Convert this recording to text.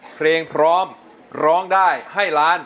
เพลงพร้อมร้องได้ให้ล้าน